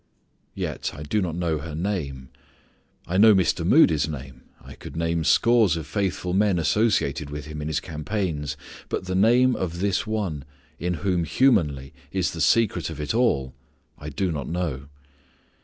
Yet I do not know her name. I know Mr. Moody's name. I could name scores of faithful men associated with him in his campaigns, but the name of this one in whom humanly is the secret of it all I do not know.